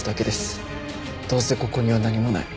どうせここには何もない。